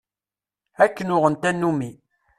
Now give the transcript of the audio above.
Akken uɣen tanumi.